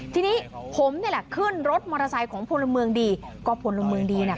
ทีนี้ผมนี่แหละขึ้นรถมอเตอร์ไซค์ของพลเมืองดีก็พลเมืองดีน่ะ